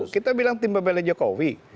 kita bilang tim pembela jokowi